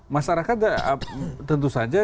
masyarakat tentu saja